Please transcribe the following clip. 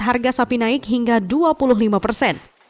harga sapi naik hingga dua puluh lima persen